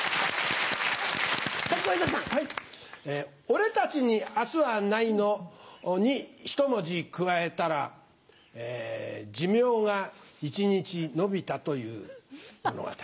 『俺たちに明日はない』にひと文字加えたら寿命が一日延びたという物語。